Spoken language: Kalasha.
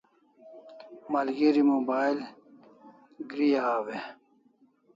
Malgeri mobile agre aw e?